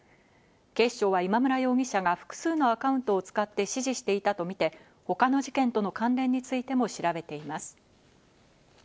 警視庁は今村容疑者が複数のアカウントを使って指示していたとみて、他の事件との関連についても調べています。